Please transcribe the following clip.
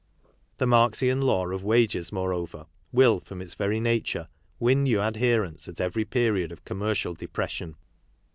The Marxian law of wages, more over, will, from its very nature, win new adherents at every period of commercial depression.